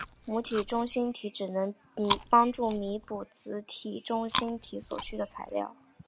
母体中心体只能帮助弥补子体中心体所需的材料。